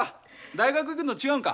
大学行くんと違うんか。